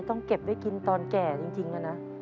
ต้องเก็บได้กินตอนแก่จริงน่ะนะ